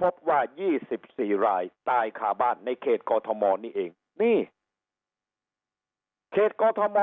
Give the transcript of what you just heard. พบว่า๒๔รายตายคาบ้านในเขตกอทมนี่เองนี่เขตกอทม